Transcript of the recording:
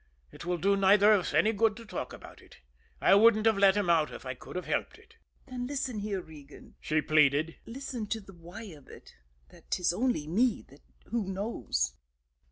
It will do neither of us any good to talk about it. I wouldn't have let him out if I could have helped it." "Then listen here, Regan," she pleaded. "Listen to the why of it, that 'tis only me who knows."